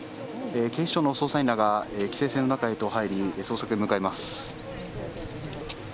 警視庁の捜査員らが規制線の中へと入り捜索へ向かいます。